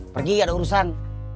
pergi enggak ada urusan